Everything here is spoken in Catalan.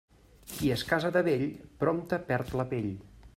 Qui es casa de vell, prompte perd la pell.